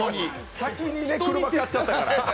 先に車買っちゃったから。